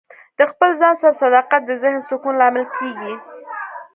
د خپل ځان سره صداقت د ذهن سکون لامل کیږي.